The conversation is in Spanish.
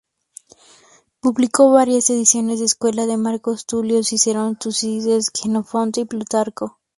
Publicó varias ediciones de escuela de Marco Tulio Cicerón, Tucídides, Jenofonte y Plutarco.